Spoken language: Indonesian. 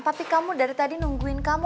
tapi kamu dari tadi nungguin kamu